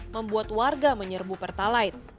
membuat warga menyerbu pertalat